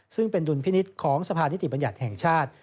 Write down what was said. ซึ่งเป็นดุลพินิษฐ์ของสภานิติบัญญัติแห่งชาติ